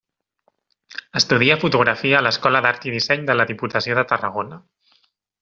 Estudia fotografia a l’Escola d’Art i Disseny de la Diputació de Tarragona.